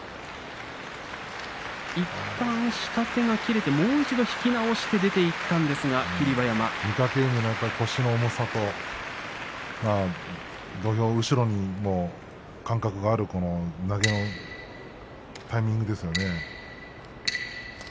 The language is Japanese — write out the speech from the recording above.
いったん下手が切れてもう一度引き直して出ていったんですが、霧馬山。御嶽海の腰の重さと土俵後ろに間隔がある土俵のタイミングですよね。